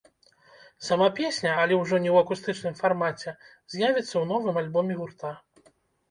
Сама песня, але ўжо не ў акустычным фармаце, з'явіцца ў новым альбоме гурта.